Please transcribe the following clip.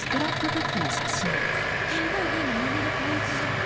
県会議員の小山田耕一じゃ。